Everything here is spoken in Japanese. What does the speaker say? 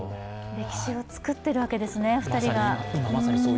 歴史を作っているわけですね、２人が。